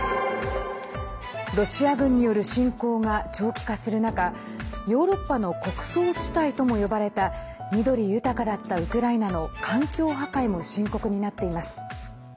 ロシア軍による侵攻が長期化する中ヨーロッパの穀倉地帯とも呼ばれた緑豊かだったウクライナの環境破壊も深刻になっています。